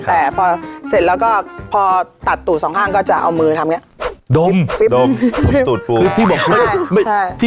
แต่พอเสร็จแล้วก็พอตัดตูดสองข้างก็จะเอามือทำอย่างเงี้ยดมดมตูดปูคือที่บอกคุณใช่